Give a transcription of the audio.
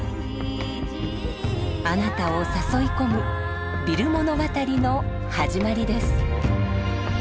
あなたを誘い込むビル物語の始まりです。